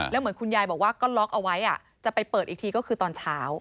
แล้วเหมือนคุณยายบอกว่าก็ล็อกเอาไว้จะไปเปิดอีกทีก็คือตอนเช้า